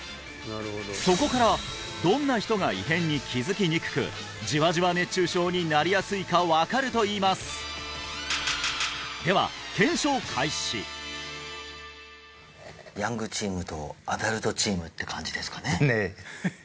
そこからどんな人が異変に気づきにくくじわじわ熱中症になりやすいか分かるといいますではヤングチームとアダルトチームって感じですかね